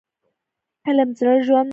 علم د زړه ژوند دی.